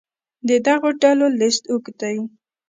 د دغو ډلو لست اوږد دی.